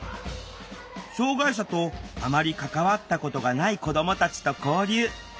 障害者とあまり関わったことがない子どもたちと交流。